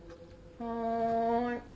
はい。